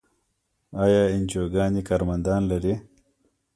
آیا انجیوګانې کارمندان لري؟